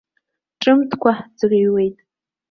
Ҿымҭкәа ҳӡырыҩуеит.